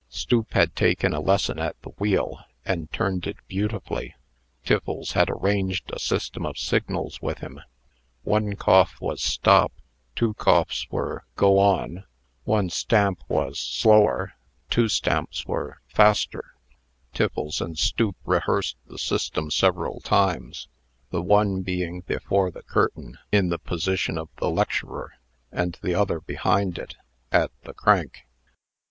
Stoop had taken a lesson at the wheel, and turned it beautifully. Tiffles had arranged a system of signals with him. One cough was "Stop;" two coughs were "Go on;" one stamp was "Slower;" two, stamps were "Faster." Tiffles and Stoop rehearsed the system several times, the one being before the curtain, in the position of the lecturer, and the other behind it, at the crank.